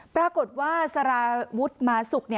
ปรากฏว่าสาราวุดมาสุกฆ์